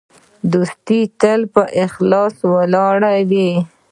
دوستي تل په اخلاص ولاړه وي.